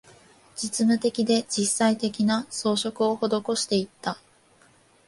実務的で、実際的な、装飾を施していった